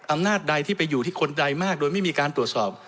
อำนาจใดที่ไปอยู่ที่คนใดมากโดยไม่มีการตรวจสอบ